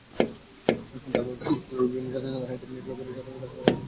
তারপরও বিভিন্ন জাতিসত্তার নারীদের নিগ্রহ বেড়ে যাওয়ার কারণ তাঁরা রাজনৈতিকভাবে ক্ষমতাধর নন।